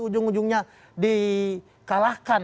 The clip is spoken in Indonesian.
ujung ujungnya di kalahkan